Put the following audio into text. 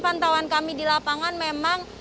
pantauan kami di lapangan memang